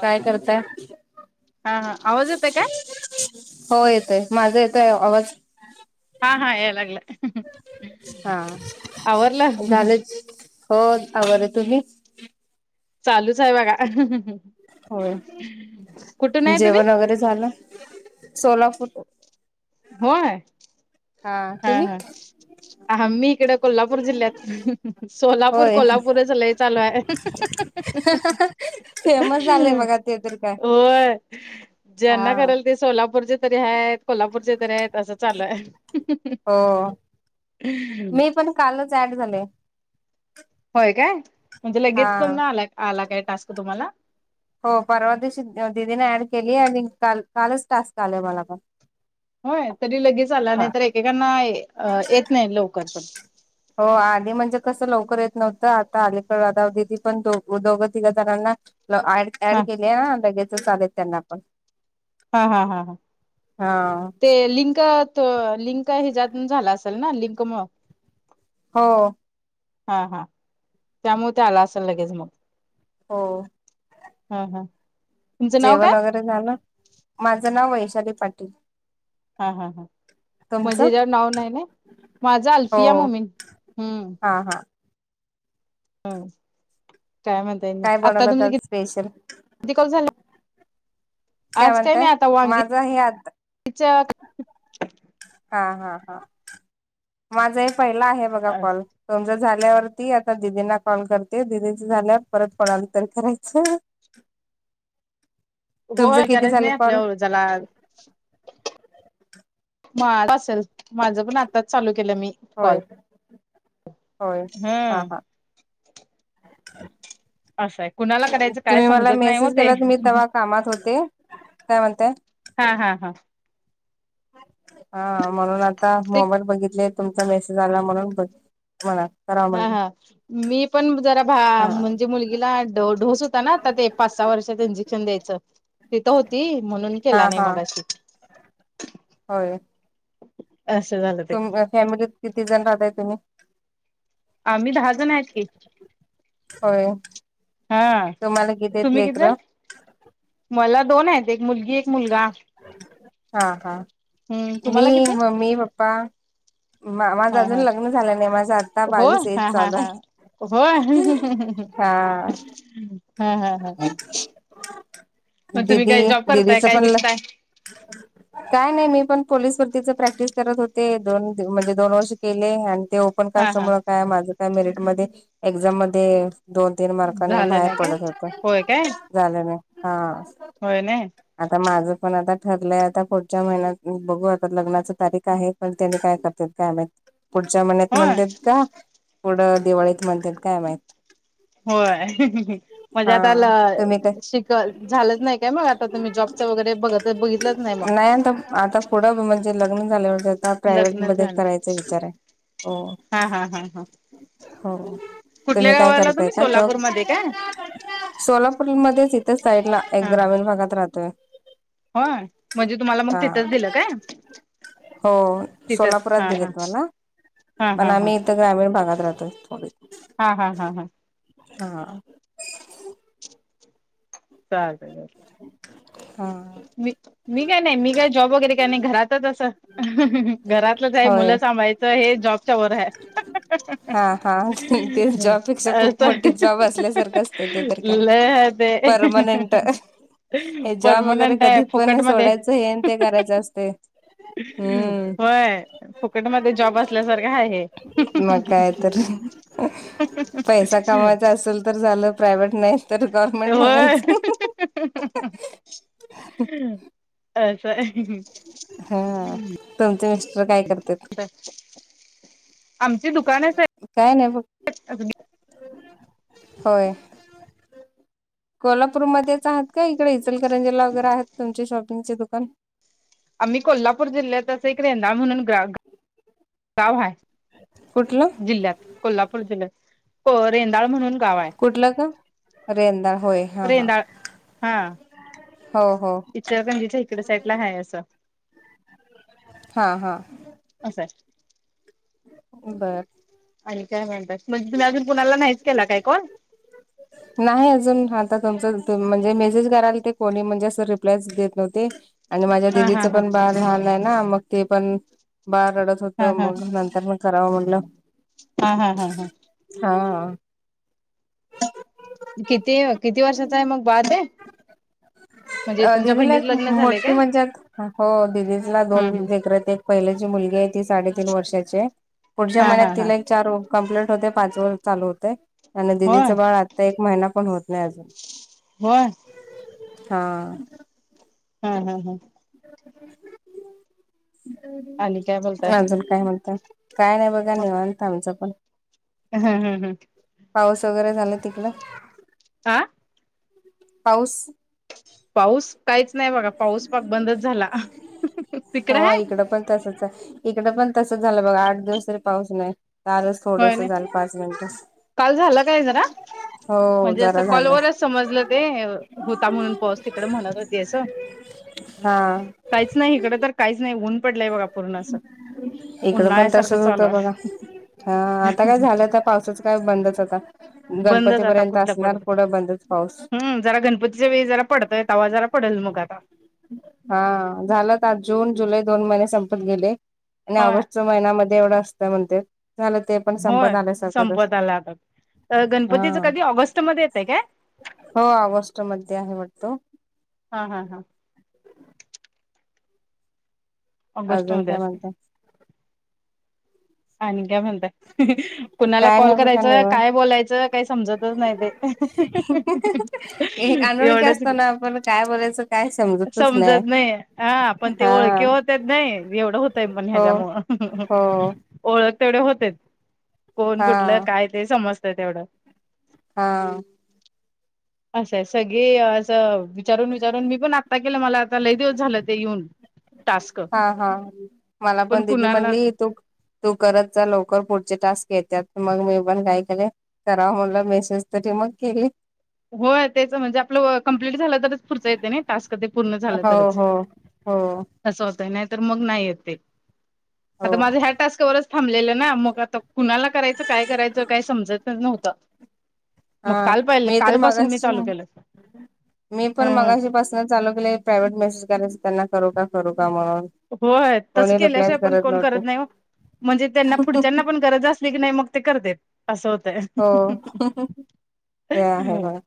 काय करताय हा ह आवाज येतय काय हो येतय माझा येतय आवाज हा हा लागलाय आवरलं हा झालेच हो आलरलय तुम्ही चालूच आहे बघा होय कुठून आहे तुम्ही? जेवण वगैरे झाल सोलापूर होय हा हा आ्मी इकड कोल्हापूर जिल्ह्यात सोलापूर कोल्हापूरच लय चालू आहे ह होय हा ज्यांना कराेल ते सोलापूरचे तरी आहेत कोल्हापूरचे तरी आहेत असं चालू आहे हो मी पण कालच ऍड झाले होय काय म्हणजे हा लगेच आला आला काय टास्क तुम्हाला हो परवा दिशी दिदीने ऍड केली आणि का कालच टास्क आलेय मला पण होय तरी लगेच आला नाही हा तर एकेकांना हा येत नाही लवकर पण हो आली म्हणजे कसं लवकर येत नव्हतं आता आली दादी पण दो दोघं तिघं जणांना ड ऍड हा केली लगेच चालेत त्यांना पण हा हा हा हा हा ते लिंक लिंक हच्यातून झाला असेल ना लिंक म हो हा हा त्यामुळे ते आला असेल लगेच मग ह हम्म हम् जेवण वगैरे झालं माझं नाव वैशाली पाटील हा हा हा तुमचं म्हणजे ज्यावर नाव नाही ना माझा हो अल्फिया ममी हम्म हा हा हम् कायम काय बनवला आ स्पेशल किती कॅाल झालं आज काय म्हणताय नाही आता वांगी माझा हे आता हा हा हा माझ हे पहिला आहे बघा कॉल तुमच झाल्यावरती आता दिदींना कॉल करते दिदींच झाल्यावर परत कोणाला तरी करायचं तुमचं किती झालं कॉल जला माझ असेल माझं पण आत्ताच चालू केलं मी कॉल होय होय हां हम्म हां असं आहे कुणाला करायचं काय तुम्ही मला समजत नाही हो मेसेज ते केला तु्ी तेव्हा हा कामात होते काय म्हणताय हा हा हा हा म्हणून आता ते मोबाईल बघितले तुमचा मेसेज आला म्हणून ब ह [inaudible] हा हा मी पण जरा भा हा म्हणजे मुलगीला ढो ढोस होता ना आता ते पाच सहा वर्ष त्यांची क्षण द्यायचं तिथ होती म्हणून हा केला नाही हा मगाशी होय असं झालं ते तुम्ही फॅमिलीत किती जण राहताय तुम्ही आम्ही दहा जण आहेत की होय हा तुम्हाला आहेत तुम्ही किती जण लेकरं मला दोन आहेत एक मुलगी एक मुलगा हा हा हम्म मी तुम्हाला किती मम्मी पप्पा मा माझं हा अजून हा लग्न झाल्याल नाही माझा आत्ता हो बावीस एज हा हा चालू हा आहे. होय हा हा हा ह मग तुम्ही काय जॉब करताय काय शिकताय ह [inaudible] काय नाही मी पण पोलीस भरतीच प्रॅक्टिस करत होते दोन दिव म्हणजे दोन वर्ष केले आणि ते ओपन हा हा कास्टमुळ काय माझं काय मेरिट मध्ये एक्झाम मध्ये दोन तीन मार्काने झालं बाहेर नाही काय पडत होत होय काय झालं नाही हा होय ने आता माझं पण आता ठरलंय आता पुढच्या महिन्यात बघू आता लग्नाच तारीख आहे. पण त्यांनी काय करतात काय माहित पुढच्या मन्यात होय म्हणतेत का पुढं दिवाळीत म्हणतेत काय माहित होय म्हणजे हा आता ल तुम्ही काय शिक झालंच नाही काय मग आता तुम्ही जॉबच वगैरे बघत बघितलंच नाही मग आता पुढं म्हणजे लग्न झाल्यावर आता लग्न प्रायव्हेटमध्ये झालं करायचा विचार आहे हो हा हा हा हा हो कुठल्या तुम्ही काय गावाला करताय तुम्ही का जाॅब सोलापूरमध्ये काय सोलापूरमध्येच इथे साईड ला एक हा ग्रामीण भागात राहतोय होय म्हणजे तुम्हाला मग हा तिथंच दिलं काय? हो तिथंच सोलापुरात हा हा दिलेत मला हा पण हा हा आम्ही इथ ग्रामीण भागात राहतोय थोडी हा हा हा हां हा चालतय ग हा मी काय नाही मी काय जॉब वगैरे का नाही घरातच असं घरात कुठल काय होय मुलं सांभाळायचं हे जॉबच्या वर हाय हा हा ते जॉबपेक्षा खूप मोठी जॉब असल्यासारखं असतं ते तर काय लय हे ते परमनंट हे जॉब वगैरे परमनंट आहे कधी फुकट पण मध्ये सोडायचं हेन ते करायचं असतंय होय फुकट मध्ये जॉब असल्यासारखा हाय हे मग काय तर पैसा हे कमायचा असेल तर झालं प्रायव्हेट नाही तर गो ते व्हय अस आहे हा तुमचे मिस्टर काय करत्यात आमचे दुकानच आहे काय नाही बघ अग् [inaudible] होय कोल्हापूरमध्येच आहात का इकडे इचलकरंजीला वगैरे आहेत तुमचे शॉपिंगचे दुकान आम्ही कोल्हापूर जिल्ह्यातंच एक रेंदाळ म्हणून गा गाव हाय. कुठलं जिल्ह्यात कोल्हापूर जिल्हत रेंदाळ म्हणून गाव हाय. कुठलं गाव रेंदाळ होय हा हा रेंदाळ हा हो हो इचलकरंजीच्या इकडं साईडला हाय असं हा हा असंय बर आणि काय म्हणतात म्हणजे तुम्ही अजून कुणाला नाहीच केला काय कॉल नाही अजून आता तुमच म्हणजे मेसेज करायलते कोणी म्हणजे असं रिप्लाय देत नव्हते. आणि माझ्या हा हा दिदीचं हा पण बाळ लहान आहे ना मग ते पण बाळ रडत होत हा हा मग नंतर कराव म्हणलं हा हा हा हा हा किती किती वर्षाचा आहे मग बाळ ते म्हणजे अ तुमच्या दिदीला बहिणीच एक लग्न झालंय मोठी काय म्हणजे हो दिदीला हम्म दोन हम्म लेकरं पहिले जी मुलगी आहे ती साडेतीन वर्षाची हाय पुढच्या हा हा महिन्यात हा तिला एक चार कमप्लीट होतय पाच व वर्ष चालू होतयं आणि होय दिदीचं बाळ तर एक महिना पण होत नाही अजून होय हा हम हम हम आणि काय बोलताय अजून काय म्हणताय काय नाही बघा निवांत आमचं पण हा हम हम् पाऊस वगैरे झाला तिकड हा पाऊस पाऊस काहीच नाही बघा पाऊस पाक बंदच झाला तिकड हो हाय इकडं पण तसच हाय इकडे पण तसंच झालं बघा आठ दिवस तरी पाऊस नाही. कालच होय थोडस नाही झाल पाच मिनट काल झाला काय जरा हो म्हणजे असं जरा झाला. कॉलवरच समजलं ते होता म्हणून पाऊस तिकड म्हणत होती अस हा काहीच नाही इकड तर काहीच नाही ऊन पडलंय बघा पूर्ण असं इकडं पण तसच उन्हाळ्यासारखं चालू होतं हाय. बघा हा आता काय झालं पावसाच काय बंदच आता बंदच आता गणपतीपर्यंत कुठलं असणार पडत पुढं बंदच पाऊस पडतोये तवा जरा पडेल मग आता हा झालं आत्ता जून जुलै दोन महिने संपत गेले आणि होय ऑगस्ट महिन्या एवढ असत म्हणतेत झालंच होय संपत आला आता तर हा गणपतीच कधी ऑगस्ट मध्ये येतय काय हो ऑगस्ट मध्ये आहे वाटतं हा हा हा ऑगस्ट अजून मध्ये काय असते म्हणता आणि काय म्हणताय कुणाला काय कॉल नाही बघा करायचा, निवांत काय बोलायचं काही समजतच नाही बाई एक अनोळखी असताना आपण काय बोलायचं काय समजतच नाय समजत नाही हा, पण ते ओळखी होतेत नाही एवढं होतय पण हो ह्याच्यामुळं हो ओळख तेवढे होतेच, कोण हा कुठलं काय ते समजतय तेवढं हा. असं आहे सगळे असं विचारून विचारून मी पण आत्ता केलं मला आता लय दिवस झालं ते येऊन टास्क हा हा, मला पण दिदी म्हणली तू तू करत जा लवकर पुढचे टास्क येत्यात मग मी पण काय केलं करा म्हणलं मेसेज तरी मग केली हो तेच म्हणजे आपलं कंप्लीट झालं तरच पुढच येते नाय टास्क ते पूर्ण झालं हो तरच हो हो असं होतय नाही तर मग नाही येत ते हो आता माझं ह्या टास्क वरच थांबलेलं ना मग आता कुणाला करायचं, काय करायचं काय समजत नव्हतं मग हा काल पाहिलं मी तर कालपासून मी मगाशी चालू केलं मी पण ह मगाशी पर्सनल चालू केलं की प्रायव्हेट मेसेज करायचं त्यांना करू का करू का म्हणून होय तसं कोणी केल्याशिवाय रिप्लायच पण कोण नव्हते करत नाही म म्हणजे त्यांना पुढच्याना पण गरज अस की नाही मग ते करते असं होतय हो ते आहे बघा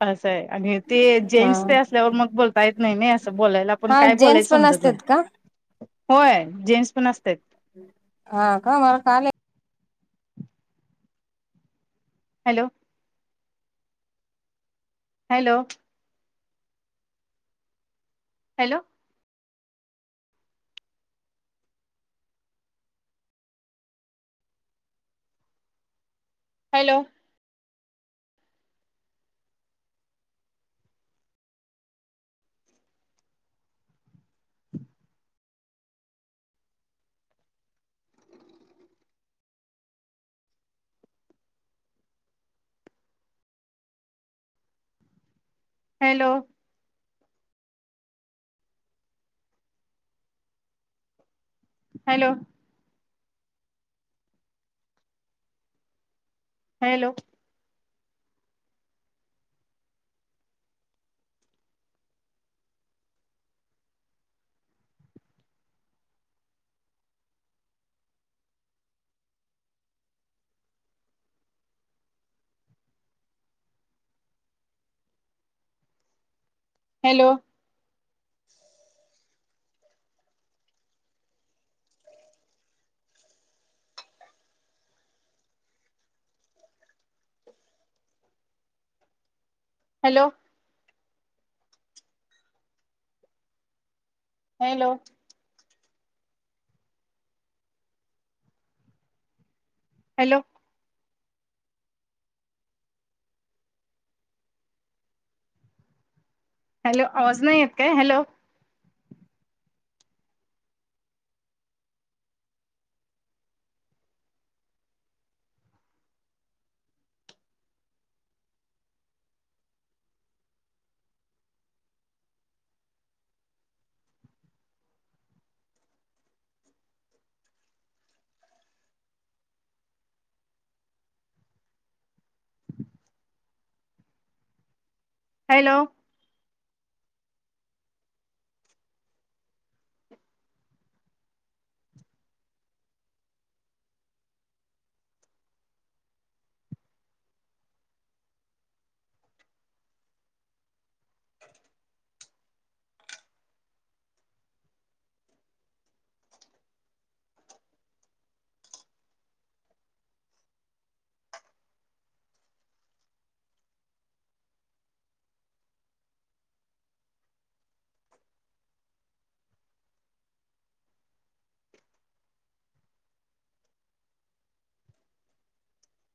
असं आहे आणि ते हा जेंट्स ते असल्यावर मग बोलता येत नाही ना असं बोलायला पण हा काय जेंट्स बोलायच पण समजत नाही. असतात का होय जेट्स पण असतात हा का मला काले hello. Hello. Hello. Hello. Hello. Hello. Hello. Hello. Hello. Hello. Hello. Hello आवाज नाही येत काय, हॅलो. हॅलो.